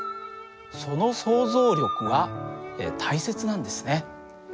その想像力は大切なんですね。